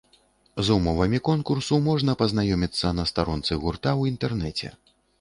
З умовамі конкурсу можна пазнаёміцца на старонцы гурта ў інтэрнэце.